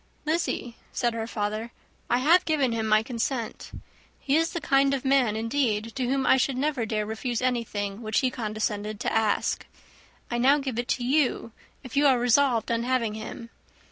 "Lizzy," said her father, "I have given him my consent. He is the kind of man, indeed, to whom I should never dare refuse anything, which he condescended to ask. I now give it to you, if you are resolved on having him.